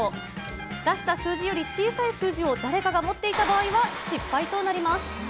出した数字より小さい数字を誰かが持っていた場合は、失敗となります。